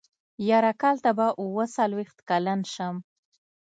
يره کال ته به اوه څلوېښت کلن شم.